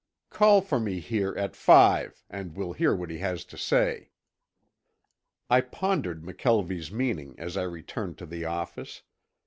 "Call for me here at five and we'll hear what he has to say." I pondered McKelvie's meaning as I returned to the office.